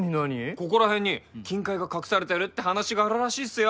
ここら辺に金塊が隠されてるって話があるらしいっすよ